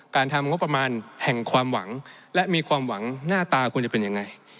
ทำงบประมาณแห่งความหวังและมีความหวังหน้าตาควรจะเป็นยังไง